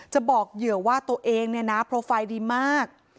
บอกเหยื่อว่าตัวเองเนี่ยนะโปรไฟล์ดีมาก